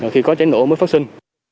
khi có cháy nổ mới phát sinh